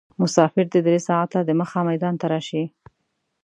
مسافر دې درې ساعته دمخه میدان ته راشي.